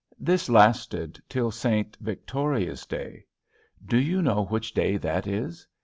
This lasted till St. Victoria's day. Do you know which day that is?